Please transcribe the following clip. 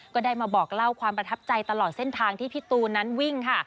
ก็ได้มาบอกเล่าความประทับใจตลอดเส้นทางที่พี่ตูนนั้นวิ่งค่ะ